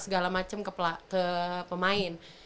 segala macem ke pemain